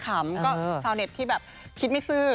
ขำก็ชาวเน็ตที่แบบคิดไม่ซื่อ